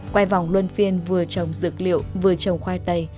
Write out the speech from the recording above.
quay vòng luân phiên vừa trồng dược liệu vừa trồng khoai tây